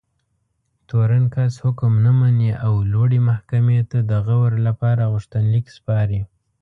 تورن کس حکم نه مني او لوړې محکمې ته د غور لپاره غوښتنلیک سپاري.